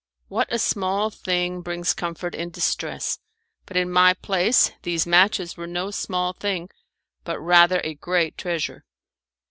What a small thing brings comfort in distress! But in my place these matches were no small thing, but rather a great treasure.